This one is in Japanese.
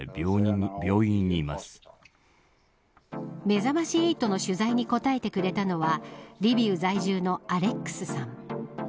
めざまし８の取材に答えてくれたのはリビウ在住のアレックスさん。